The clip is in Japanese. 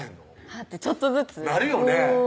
ハッてちょっとずつなるよね